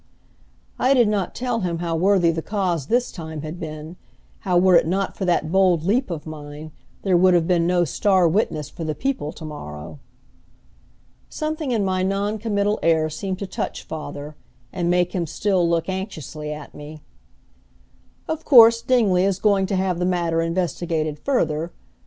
I did not tell him how worthy the cause this time had been, how were it not for that bold leap of mine there would have been no star witness for the people to morrow. Something in my noncommittal air seemed to touch father, and make him still look anxiously at me. "Of course, Dingley is going to have the matter investigated further.